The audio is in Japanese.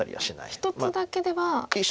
１つだけでは。